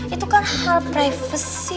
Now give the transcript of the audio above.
itu kan hal privacy